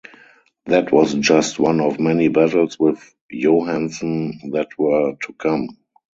That was just one of many battles with Johanson that were to come.